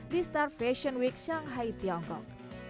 di star fashion week shanghai tiongkok